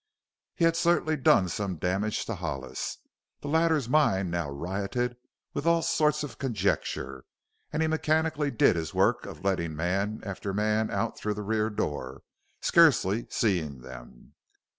He had certainly done some damage to Hollis. The latter's mind now rioted with all sorts of conjecture and he mechanically did his work of letting man after man out through the rear door, scarcely seeing them.